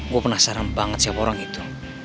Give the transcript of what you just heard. gue penasaran banget siapa orang itu